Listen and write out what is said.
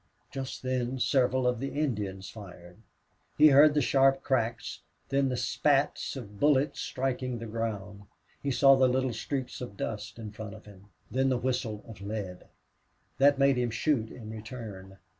Just then several of the Indians fired. He heard the sharp cracks, then the spats of bullets striking the ground; he saw the little streaks of dust in front of him. Then the whistle of lead. That made him shoot in return.